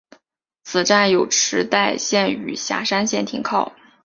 此站有池袋线与狭山线停靠。